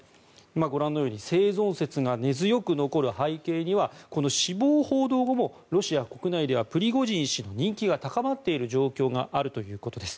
ご覧のように生存説が根強く残る背景にはこの死亡報道後もロシア国内ではプリゴジン氏の人気が高まっている状況があるということです。